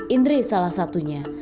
indri salah satunya